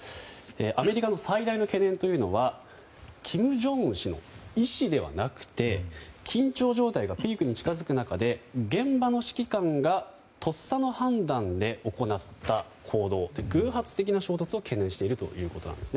アメリカの最大の懸念というのは金正恩氏の意思ではなくて緊張状態がピークに近づく中で現場の指揮官がとっさの判断で行った行動偶発的な衝突を懸念しているということです。